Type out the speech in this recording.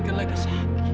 kalian udah sakit